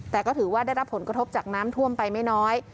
แต่ก็ถือว่าได้รับผลกระทบจากน้ำท่วมไปไม่น้อย